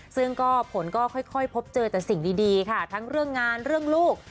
ซึ่งก็ผลก็ค่อยพบเจอแต่สิ่งดีค่ะทั้งเรื่องงานเรื่องลูก